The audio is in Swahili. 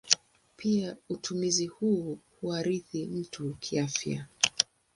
Pia utumizi huu huathiri mtu kiafya.